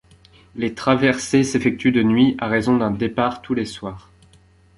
Les traversées s'effectuent de nuit, à raison d'un départ tous les soirs.